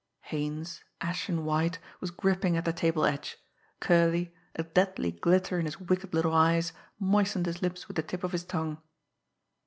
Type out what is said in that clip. Haines, ashen white, was gripping at the table edge. Curley, a deadly glitter in his wicked little eyes, moistened his lips with the tip of his tongue.